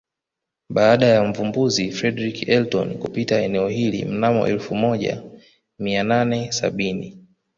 Baada ya Mvumbuzi Fredrick Elton kupita eneo hili mnamo elfu moja mia nane sabini